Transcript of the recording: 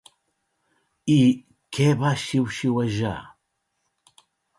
I què va xiuxiuejar?